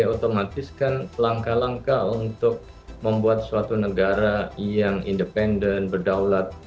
otomatis kan langkah langkah untuk membuat suatu negara yang independen berdaulat